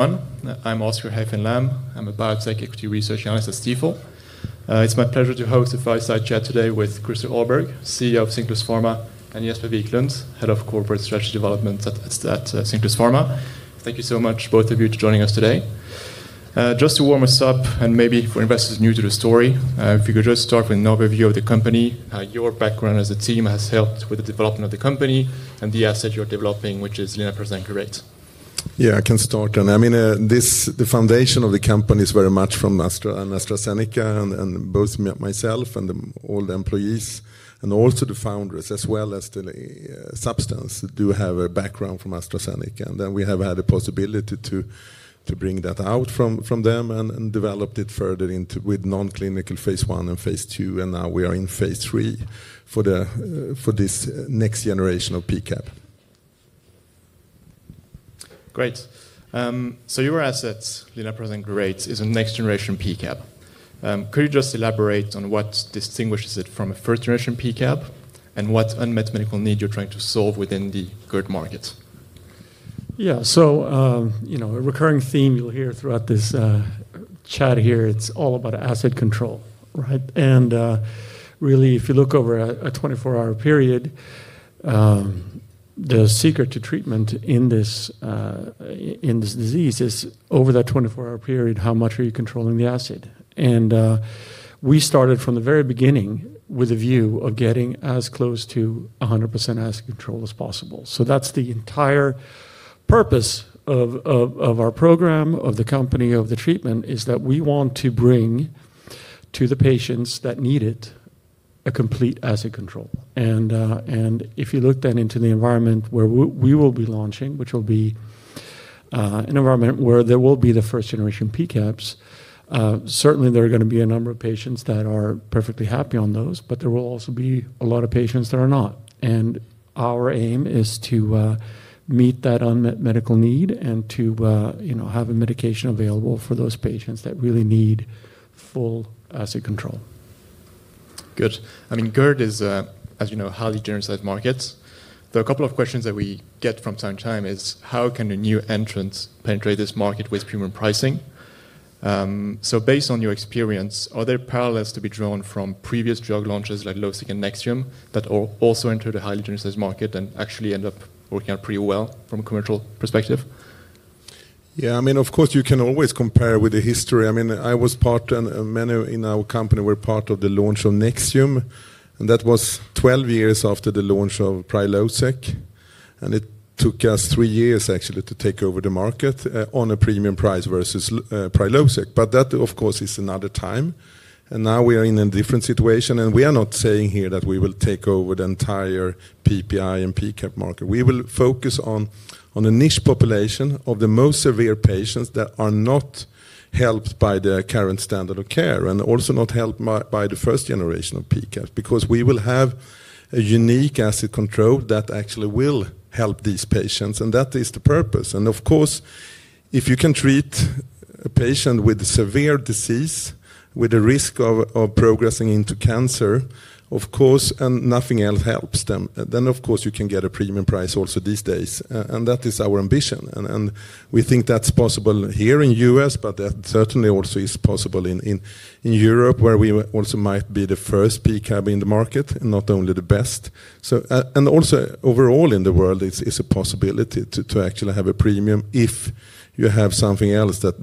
One, I'm Oscar Haffen Lamm. I'm a Biotech Equity Research Analyst at Stifel. It's my pleasure to host a fireside chat today with Christer Ahlberg, CEO of Cinclus Pharma, and Jesper Wiklund, Head of Corporate Strategy Development at Cinclus Pharma. Thank you so much, both of you, for joining us today. Just to warm us up, and maybe for investors new to the story, if you could just start with an overview of the company, your background as a team has helped with the development of the company and the asset you're developing, which is linaprazan glurate. Yeah, I can start. I mean, the foundation of the company is very much from AstraZeneca, and both myself and all the employees, and also the founders, as well as the substance, do have a background from AstraZeneca. We have had the possibility to bring that out from them and developed it further into with non-clinical Phase I and Phase II. Now we are in Phase III for this next generation of PCAB. Great. So your asset, linaprazan glurate, is a next generation PCAB. Could you just elaborate on what distinguishes it from a first generation PCAB, and what unmet medical need you're trying to solve within the GERD market? Yeah, so a recurring theme you'll hear throughout this chat here, it's all about acid control, right? Really, if you look over a 24-hour period, the secret to treatment in this disease is, over that 24-hour period, how much are you controlling the acid? We started from the very beginning with a view of getting as close to 100% acid control as possible. That's the entire purpose of our program, of the company, of the treatment, is that we want to bring to the patients that need it a complete acid control. If you look then into the environment where we will be launching, which will be an environment where there will be the first-generation PCABs, certainly there are going to be a number of patients that are perfectly happy on those, but there will also be a lot of patients that are not. Our aim is to meet that unmet medical need and to have a medication available for those patients that really need full acid control. Good. I mean, GERD is, as you know, a highly genericized market. There are a couple of questions that we get from time to time is, how can a new entrant penetrate this market with premium pricing? Based on your experience, are there parallels to be drawn from previous drug launches like Losec and Nexium that also entered a highly genericized market and actually ended up working out pretty well from a commercial perspective? Yeah, I mean, of course, you can always compare with the history. I mean, I was part of many in our company were part of the launch of Nexium, and that was 12 years after the launch of Prilosec. It took us three years, actually, to take over the market on a premium price versus Prilosec. That, of course, is another time. Now we are in a different situation. We are not saying here that we will take over the entire PPI and PCAB market. We will focus on a niche population of the most severe patients that are not helped by the current standard of care and also not helped by the first generation of PCABs, because we will have a unique acid control that actually will help these patients. That is the purpose. Of course, if you can treat a patient with severe disease with a risk of progressing into cancer, of course, and nothing else helps them, you can get a premium price also these days. That is our ambition. We think that's possible here in the U.S., but that certainly also is possible in Europe, where we also might be the first PCAB in the market, and not only the best. Also, overall in the world, it's a possibility to actually have a premium if you have something else that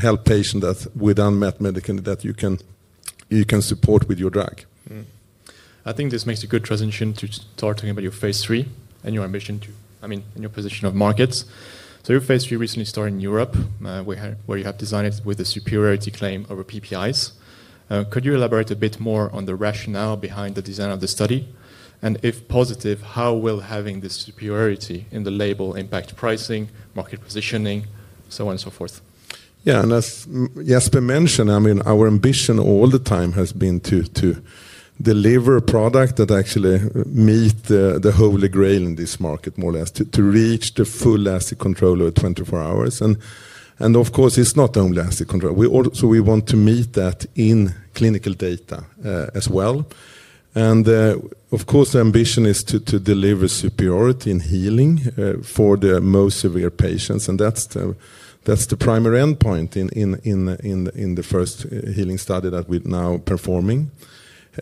helps patients with unmet medical needs that you can support with your drug. I think this makes a good transition to start talking about your Phase III and your ambition to, I mean, in your position of markets. Your Phase III recently started in Europe, where you have designed it with a superiority claim over PPIs. Could you elaborate a bit more on the rationale behind the design of the study? If positive, how will having this superiority in the label impact pricing, market positioning, so on and so forth? Yeah, and as Jesper mentioned, I mean, our ambition all the time has been to deliver a product that actually meets the Holy Grail in this market, more or less, to reach the full acid control over 24 hours. Of course, it's not only acid control. We want to meet that in clinical data as well. Of course, the ambition is to deliver superiority in healing for the most severe patients. That's the primary endpoint in the first healing study that we're now performing.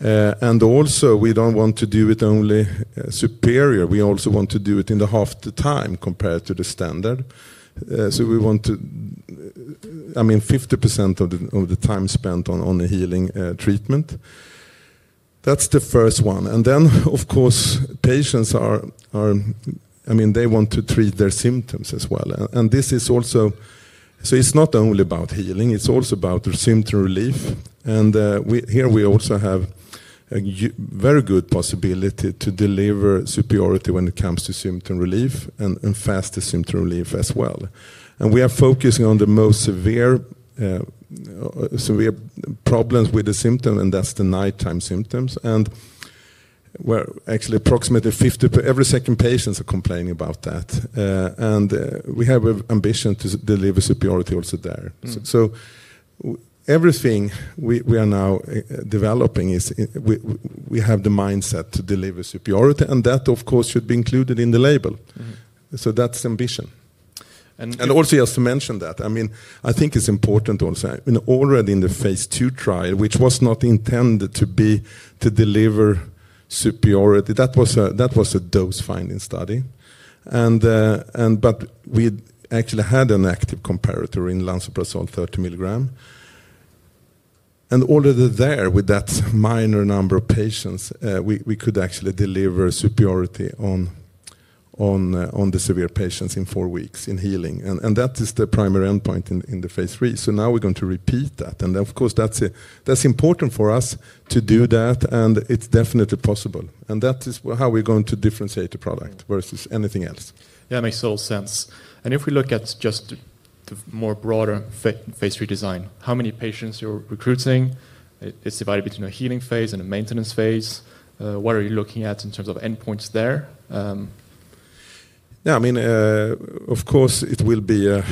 Also, we don't want to do it only superior. We also want to do it in half the time compared to the standard. We want to, I mean, 50% of the time spent on a healing treatment. That's the first one. Of course, patients are, I mean, they want to treat their symptoms as well. It is not only about healing. It is also about symptom relief. Here we also have a very good possibility to deliver superiority when it comes to symptom relief and faster symptom relief as well. We are focusing on the most severe problems with the symptoms, and that is the nighttime symptoms. Actually, approximately 50% of every second patient is complaining about that. We have an ambition to deliver superiority also there. Everything we are now developing, we have the mindset to deliver superiority. That, of course, should be included in the label. That is the ambition. Also, just to mention, I think it is important to also say, already in the Phase II trial, which was not intended to deliver superiority, that was a dose-finding study. We actually had an active comparator in lansoprazole 30 mg. Already there, with that minor number of patients, we could actually deliver superiority on the severe patients in four weeks in healing. That is the primary endpoint in the Phase III. Now we're going to repeat that. Of course, that's important for us to do that. It's definitely possible. That is how we're going to differentiate the product versus anything else. Yeah, it makes total sense. If we look at just the more broader Phase III design, how many patients you're recruiting? It's divided between a healing phase and a maintenance phase. What are you looking at in terms of endpoints there? Yeah, I mean, of course, it will be, I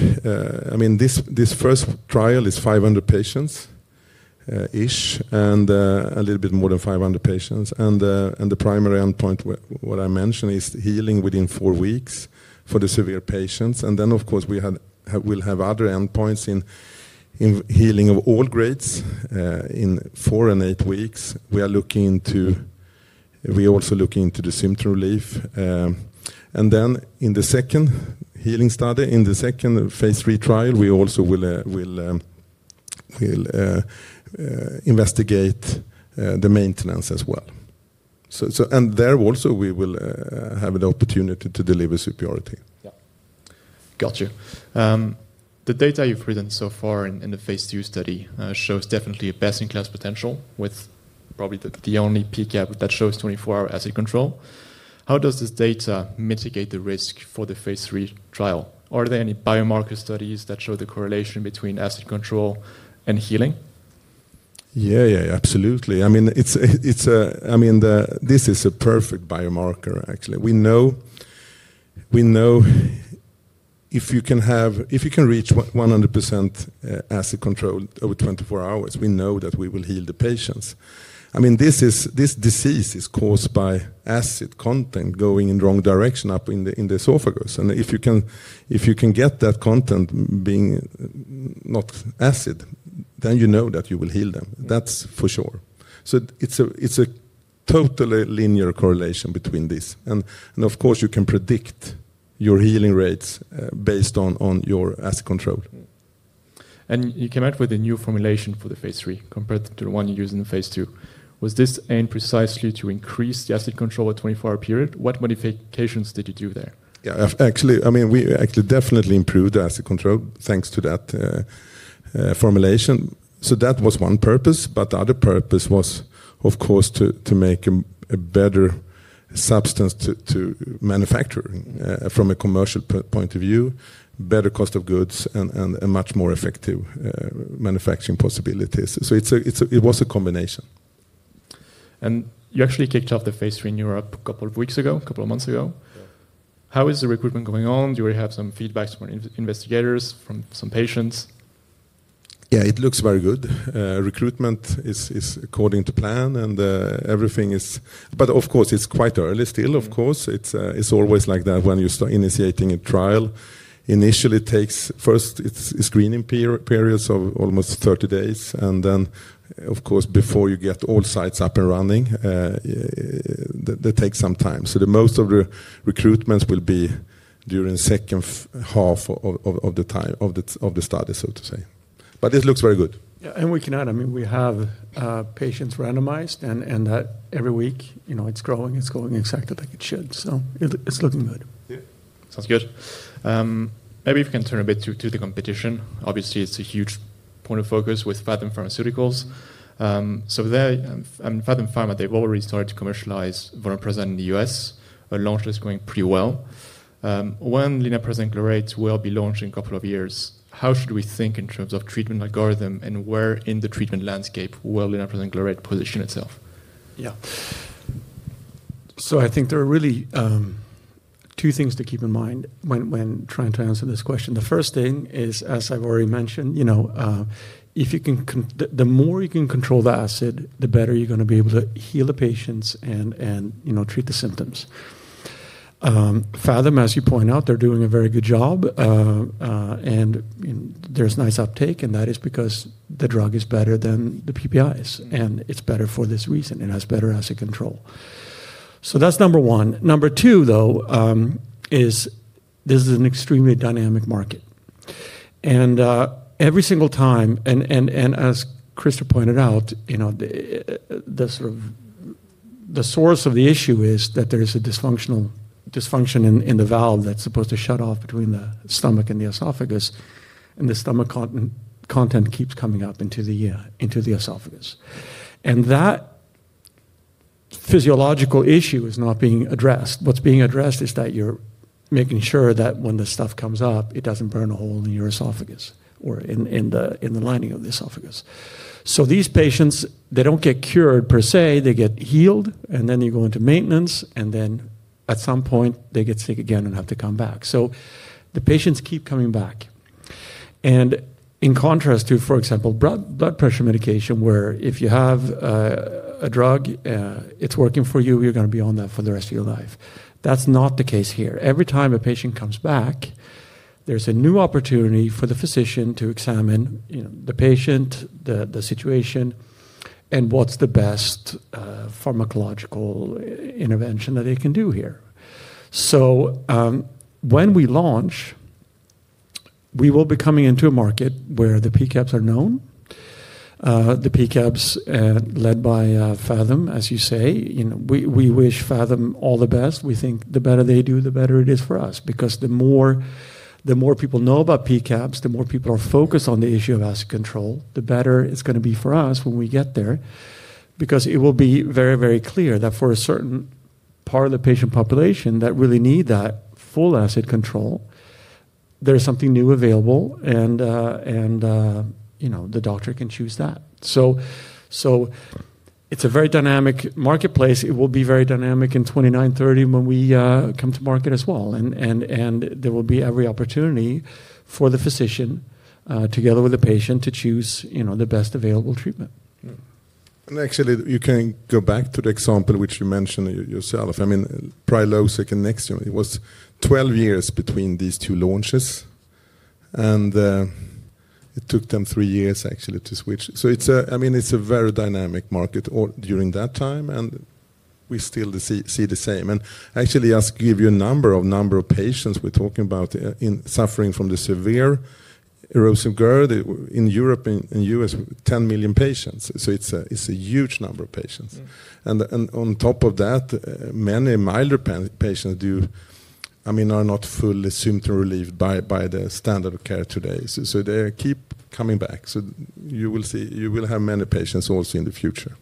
mean, this first trial is 500 patients-ish and a little bit more than 500 patients. The primary endpoint, what I mentioned, is healing within four weeks for the severe patients. Of course, we will have other endpoints in healing of all grades in four and eight weeks. We are looking into the symptom relief. In the second healing study, in the second Phase III trial, we also will investigate the maintenance as well. There also, we will have the opportunity to deliver superiority. Yeah, got you. The data you've written so far in the Phase II study shows definitely a best-in-class potential with probably the only PCAB that shows 24-hour acid control. How does this data mitigate the risk for the Phase III trial? Are there any biomarker studies that show the correlation between acid control and healing? Yeah, yeah, absolutely. I mean, this is a perfect biomarker, actually. We know if you can reach 100% acid control over 24 hours, we know that we will heal the patients. I mean, this disease is caused by acid content going in the wrong direction up in the esophagus. If you can get that content being not acid, then you know that you will heal them. That's for sure. It is a totally linear correlation between this. Of course, you can predict your healing rates based on your acid control. You came out with a new formulation for the Phase III compared to the one you used in Phase II. Was this aimed precisely to increase the acid control at the 24-hour period? What modifications did you do there? Yeah, actually, I mean, we actually definitely improved the acid control thanks to that formulation. That was one purpose. The other purpose was, of course, to make a better substance to manufacture from a commercial point of view, better cost of goods, and much more effective manufacturing possibilities. It was a combination. You actually kicked off the Phase III in Europe a couple of weeks ago, a couple of months ago. How is the recruitment going on? Do you already have some feedback from investigators, from some patients? Yeah, it looks very good. Recruitment is according to plan. Everything is, but of course, it's quite early still, of course. It's always like that when you're initiating a trial. Initially, it takes first, it's a screening period of almost 30 days. Then, of course, before you get all sites up and running, that takes some time. Most of the recruitments will be during the second half of the study, so to say. This looks very good. Yeah, and we can add, I mean, we have patients randomized. And every week, it's growing. It's growing exactly like it should. So it's looking good. Yeah. Sounds good. Maybe if you can turn a bit to the competition. Obviously, it's a huge point of focus with Phathom Pharmaceuticals. So there, and Phathom, they've already started to commercialize vonoprazan in the U.S. The launch is going pretty well. When linaprazan glurate will be launched in a couple of years, how should we think in terms of treatment algorithm and where in the treatment landscape will linaprazan glurate position itself? Yeah. I think there are really two things to keep in mind when trying to answer this question. The first thing is, as I've already mentioned, if you can, the more you can control the acid, the better you're going to be able to heal the patients and treat the symptoms. Phathom, as you point out, they're doing a very good job. And there's nice uptake. That is because the drug is better than the PPIs. It's better for this reason. It has better acid control. That's number one. Number two, though, is this is an extremely dynamic market. Every single time, as Christ pointed out, the source of the issue is that there is a dysfunction in the valve that's supposed to shut off between the stomach and the esophagus. The stomach content keeps coming up into the esophagus. That physiological issue is not being addressed. What's being addressed is that you're making sure that when the stuff comes up, it doesn't burn a hole in your esophagus or in the lining of the esophagus. These patients, they don't get cured per se. They get healed. Then they go into maintenance. At some point, they get sick again and have to come back. The patients keep coming back. In contrast to, for example, blood pressure medication, where if you have a drug, it's working for you, you're going to be on that for the rest of your life. That's not the case here. Every time a patient comes back, there's a new opportunity for the physician to examine the patient, the situation, and what's the best pharmacological intervention that they can do here. When we launch, we will be coming into a market where the PCABs are known. The PCABs led by Phathom, as you say. We wish Phathom all the best. We think the better they do, the better it is for us. Because the more people know about PCABs, the more people are focused on the issue of acid control, the better it's going to be for us when we get there. Because it will be very, very clear that for a certain part of the patient population that really need that full acid control, there's something new available. The doctor can choose that. It is a very dynamic marketplace. It will be very dynamic in 2029-2030 when we come to market as well. There will be every opportunity for the physician, together with the patient, to choose the best available treatment. Actually, you can go back to the example which you mentioned yourself. I mean, Prilosec and Nexium, it was 12 years between these two launches. It took them three years, actually, to switch. I mean, it's a very dynamic market during that time. We still see the same. Actually, I'll give you a number of patients we're talking about suffering from the severe erosive GERD. In Europe and the U.S., 10 million patients. It's a huge number of patients. On top of that, many milder patients do, I mean, are not fully symptom relieved by the standard of care today. They keep coming back. You will have many patients also in the future.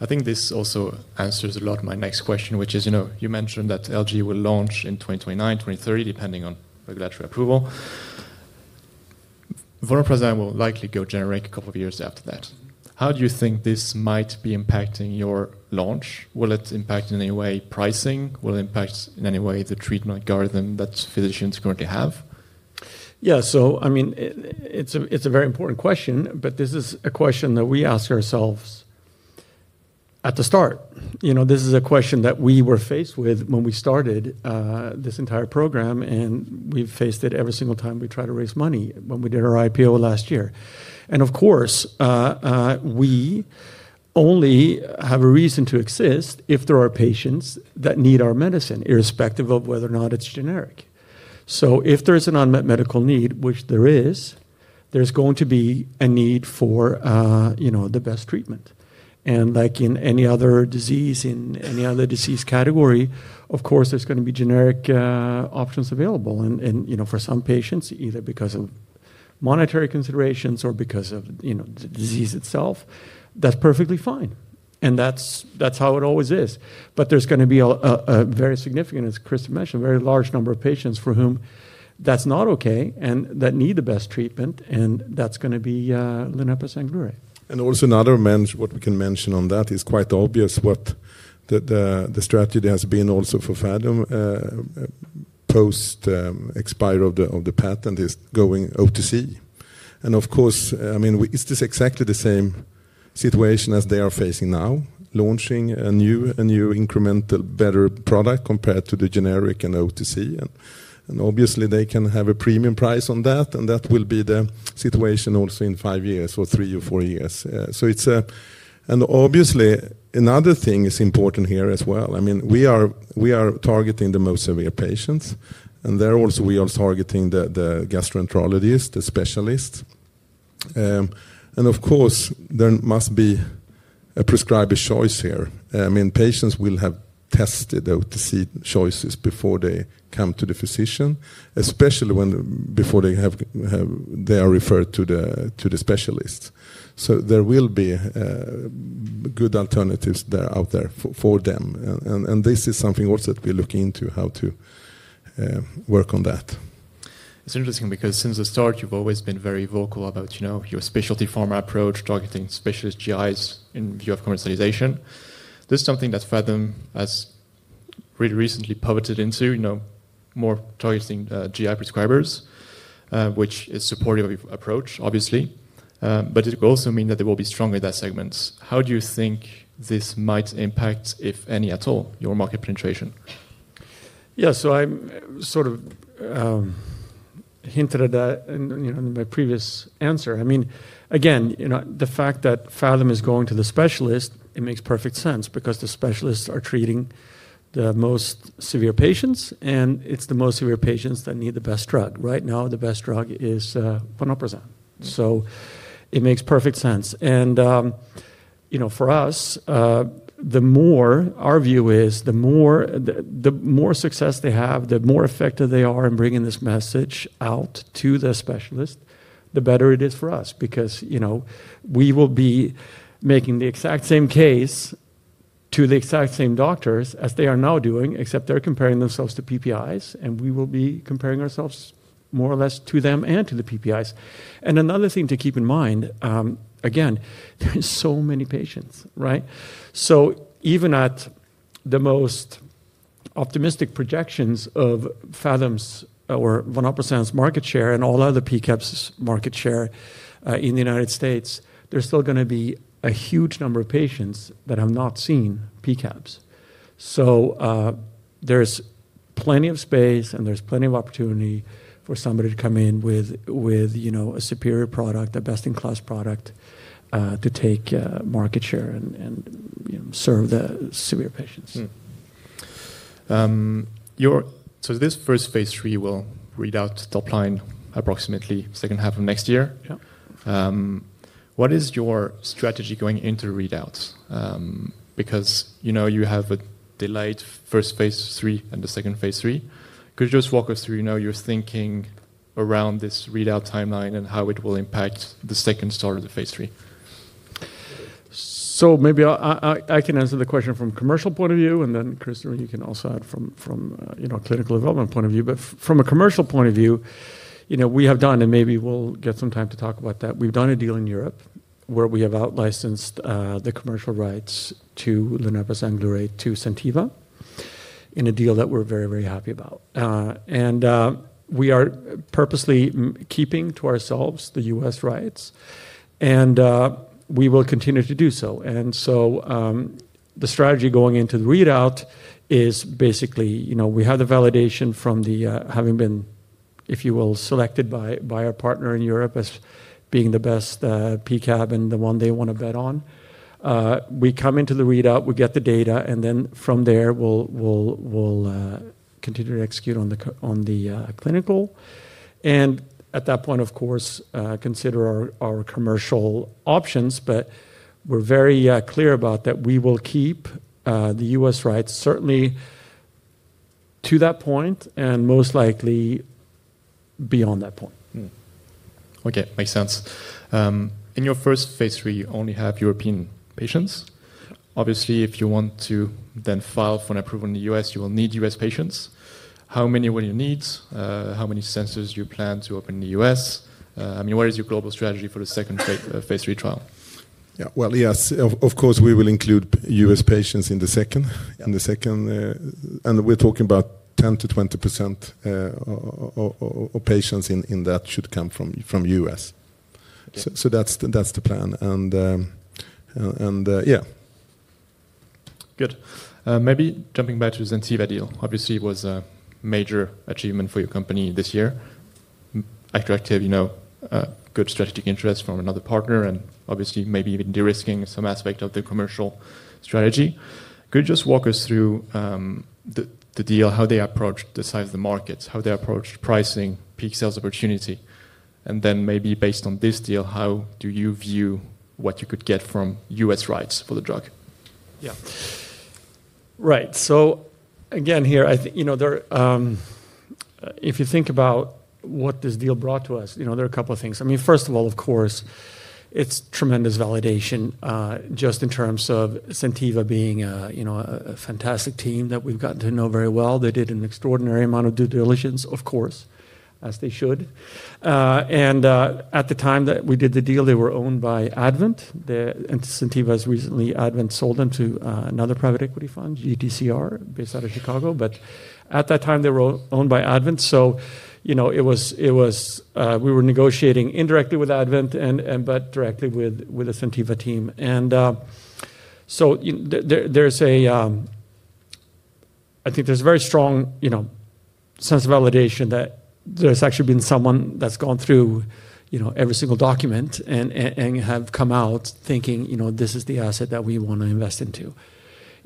I think this also answers a lot of my next question, which is, you mentioned that LG will launch in 2029, 2030, depending on regulatory approval. Vonoprazan will likely go generic a couple of years after that. How do you think this might be impacting your launch? Will it impact in any way pricing? Will it impact in any way the treatment algorithm that physicians currently have? Yeah, so I mean, it's a very important question. This is a question that we ask ourselves at the start. This is a question that we were faced with when we started this entire program. We've faced it every single time we try to raise money when we did our IPO last year. Of course, we only have a reason to exist if there are patients that need our medicine, irrespective of whether or not it's generic. If there is an unmet medical need, which there is, there's going to be a need for the best treatment. Like in any other disease, in any other disease category, there's going to be generic options available. For some patients, either because of monetary considerations or because of the disease itself, that's perfectly fine. That's how it always is. There is going to be a very significant, as Christ mentioned, very large number of patients for whom that's not OK and that need the best treatment. That is going to be linaprazan glurate. Also, another what we can mention on that is quite obvious what the strategy has been also for Phathom. Post-expiry of the patent is going OTC. Of course, I mean, is this exactly the same situation as they are facing now, launching a new incremental, better product compared to the generic and OTC? Obviously, they can have a premium price on that. That will be the situation also in five years or three or four years. Obviously, another thing is important here as well. I mean, we are targeting the most severe patients. There also, we are targeting the gastroenterologists, the specialists. Of course, there must be a prescriber's choice here. I mean, patients will have tested OTC choices before they come to the physician, especially before they are referred to the specialists. There will be good alternatives out there for them. This is something also that we're looking into how to work on. It's interesting because since the start, you've always been very vocal about your specialty pharma approach, targeting specialist GIs in view of commercialization. This is something that Phathom has really recently pivoted into, more targeting GI prescribers, which is a supportive approach, obviously. It will also mean that they will be stronger in that segment. How do you think this might impact, if any at all, your market penetration? Yeah, so I sort of hinted at that in my previous answer. I mean, again, the fact that Phathom is going to the specialist, it makes perfect sense because the specialists are treating the most severe patients. It is the most severe patients that need the best drug. Right now, the best drug is vonoprazan. It makes perfect sense. For us, our view is, the more success they have, the more effective they are in bringing this message out to the specialist, the better it is for us. We will be making the exact same case to the exact same doctors as they are now doing, except they are comparing themselves to PPIs. We will be comparing ourselves more or less to them and to the PPIs. Another thing to keep in mind, there are so many patients, right? Even at the most optimistic projections of Phathom's or vonoprazan's market share and all other PCABs' market share in the U.S., there's still going to be a huge number of patients that have not seen PCABs. There's plenty of space. There's plenty of opportunity for somebody to come in with a superior product, a best-in-class product to take market share and serve the severe patients. This first Phase III will read out top line approximately second half of next year. What is your strategy going into readouts? Because you have a delayed first Phase III and the second Phase III. Could you just walk us through your thinking around this readout timeline and how it will impact the second start of the Phase III? Maybe I can answer the question from a commercial point of view. Christ, you can also add from a clinical development point of view. From a commercial point of view, we have done, and maybe we'll get some time to talk about that, we've done a deal in Europe where we have outlicensed the commercial rights to linaprazan glurate to Zentiva in a deal that we're very, very happy about. We are purposely keeping to ourselves the U.S. rights, and we will continue to do so. The strategy going into the readout is basically, we have the validation from having been, if you will, selected by our partner in Europe as being the best PCAB and the one they want to bet on. We come into the readout, we get the data. From there, we'll continue to execute on the clinical. At that point, of course, consider our commercial options. We're very clear that we will keep the U.S. rights, certainly to that point and most likely beyond that point. OK, makes sense. In your first Phase III, you only have European patients. Obviously, if you want to then file for an approval in the U.S., you will need U.S. patients. How many will you need? How many centers do you plan to open in the U.S.? I mean, what is your global strategy for the second Phase III trial? Yeah, yes, of course, we will include U.S. patients in the second. We're talking about 10%-20% of patients in that should come from the U.S. That's the plan. Yeah. Good. Maybe jumping back to the Zentiva deal, obviously was a major achievement for your company this year. After, you know, good strategic interest from another partner and obviously maybe even de-risking some aspect of the commercial strategy. Could you just walk us through the deal, how they approached the size of the markets, how they approached pricing, peak sales opportunity? And then maybe based on this deal, how do you view what you could get from U.S. rights for the drug? Yeah. Right. So again, here, if you think about what this deal brought to us, there are a couple of things. I mean, first of all, of course, it's tremendous validation just in terms of Zentiva being a fantastic team that we've gotten to know very well. They did an extraordinary amount of due diligence, of course, as they should. At the time that we did the deal, they were owned by Advent. Zentiva has recently, Advent sold them to another private equity fund, GTCR, based out of Chicago. At that time, they were owned by Advent. We were negotiating indirectly with Advent but directly with the Zentiva team. I think there's a very strong sense of validation that there's actually been someone that's gone through every single document and have come out thinking, this is the asset that we want to invest into.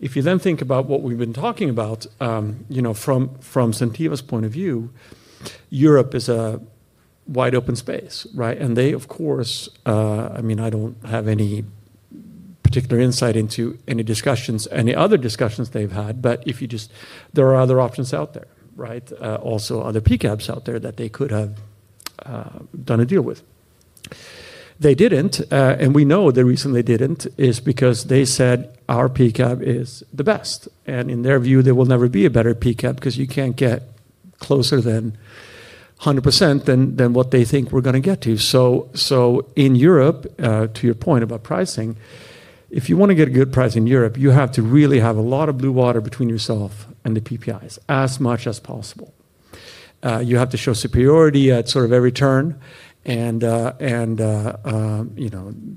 If you then think about what we've been talking about from Zentiva's point of view, Europe is a wide open space. They, of course, I mean, I don't have any particular insight into any other discussions they've had. If you just, there are other options out there, right? Also other PCABs out there that they could have done a deal with. They didn't. We know the reason they didn't is because they said our PCAB is the best. In their view, there will never be a better PCAB because you can't get closer than 100% than what they think we're going to get to. In Europe, to your point about pricing, if you want to get a good price in Europe, you have to really have a lot of blue water between yourself and the PPIs as much as possible. You have to show superiority at sort of every turn.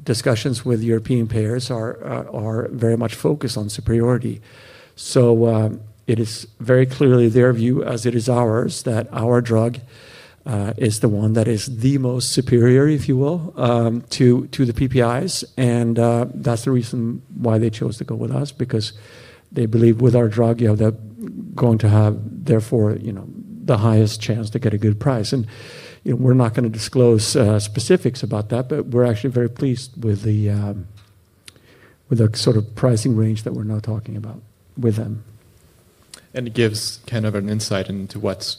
Discussions with European payers are very much focused on superiority. It is very clearly their view, as it is ours, that our drug is the one that is the most superior, if you will, to the PPIs. That is the reason why they chose to go with us because they believe with our drug, you are going to have, therefore, the highest chance to get a good price. We are not going to disclose specifics about that. We are actually very pleased with the sort of pricing range that we are now talking about with them. It gives kind of an insight into what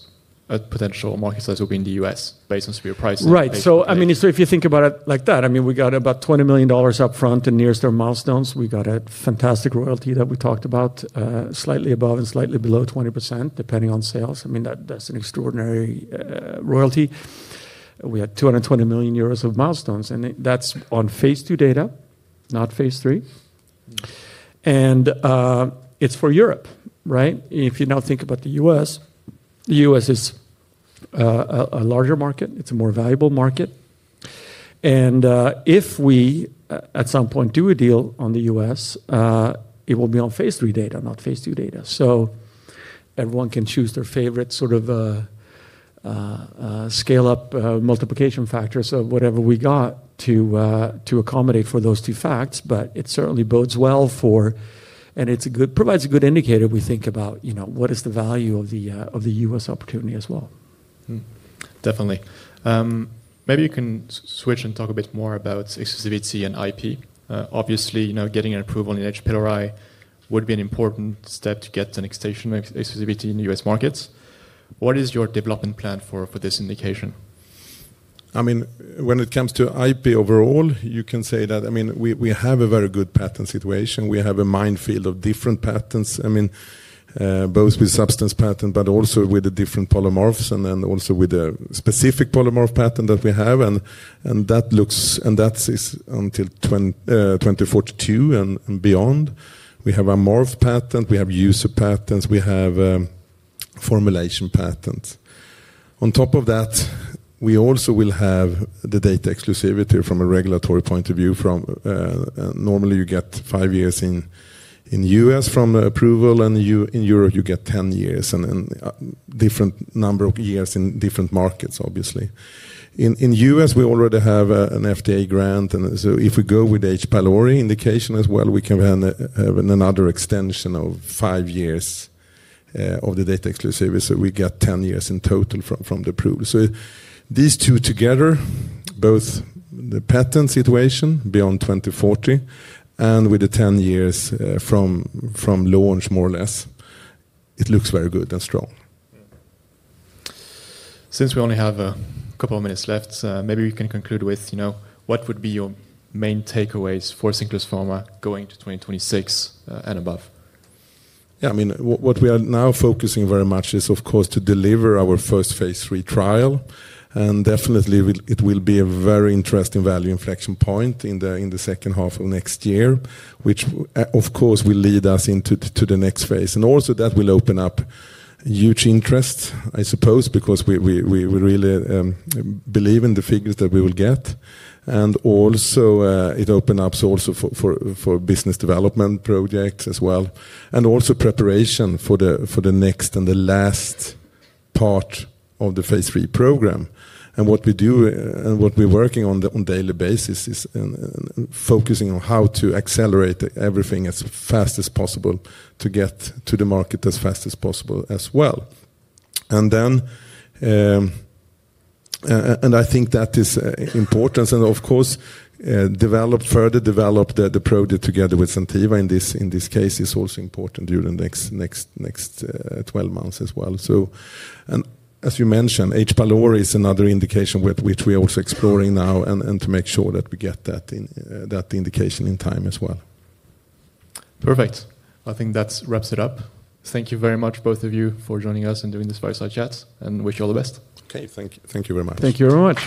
potential market size will be in the U.S. based on severe pricing. Right. So I mean, so if you think about it like that, I mean, we got about $20 million up front in nearest term milestones. We got a fantastic royalty that we talked about, slightly above and slightly below 20%, depending on sales. I mean, that's an extraordinary royalty. We had 220 million euros of milestones. And that's on Phase II data, not Phase III. And it's for Europe, right? If you now think about the U.S., the U.S. is a larger market. It's a more valuable market. If we at some point do a deal on the U.S., it will be on Phase III data, not Phase II data. So everyone can choose their favorite sort of scale-up multiplication factors of whatever we got to accommodate for those two facts. It certainly bodes well for, and it provides a good indicator, we think, about what is the value of the U.S. opportunity as well. Definitely. Maybe you can switch and talk a bit more about exclusivity and IP. Obviously, getting an approval in H. pylori would be an important step to get an exclusivity in the U.S. markets. What is your development plan for this indication? I mean, when it comes to IP overall, you can say that, I mean, we have a very good patent situation. We have a minefield of different patents, I mean, both with substance patent, but also with the different polymorphs and then also with the specific polymorph patent that we have. That looks, and that's until 2042 and beyond. We have a morph patent. We have user patents. We have formulation patents. On top of that, we also will have the data exclusivity from a regulatory point of view. Normally, you get five years in the U.S. from the approval. In Europe, you get 10 years and a different number of years in different markets, obviously. In the U.S., we already have an FDA grant. If we go with the H. pylori indication as well, we can have another extension of five years of the data exclusivity. We get 10 years in total from the approval. These two together, both the patent situation beyond 2040 and with the 10 years from launch, more or less, it looks very good and strong. Since we only have a couple of minutes left, maybe we can conclude with what would be your main takeaways for Cinclus Pharma going to 2026 and above? Yeah, I mean, what we are now focusing very much is, of course, to deliver our first Phase III trial. Definitely, it will be a very interesting value inflection point in the second half of next year, which, of course, will lead us into the next phase. Also, that will open up huge interest, I suppose, because we really believe in the figures that we will get. It opens up also for business development projects as well and also preparation for the next and the last part of the Phase III program. What we do and what we're working on on a daily basis is focusing on how to accelerate everything as fast as possible to get to the market as fast as possible as well. I think that is important. Of course, further develop the project together with Zentiva in this case is also important during the next 12 months as well. As you mentioned, H. pylori is another indication which we are also exploring now and to make sure that we get that indication in time as well. Perfect. I think that wraps it up. Thank you very much, both of you, for joining us and doing this fireside chat. I wish you all the best. OK, thank you very much. Thank you very much.